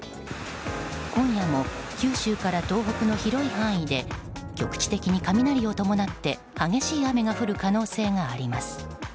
今夜も九州から東北の広い範囲で局地的に雷を伴って激しい雨が降る可能性があります。